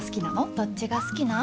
どっちが好きなん？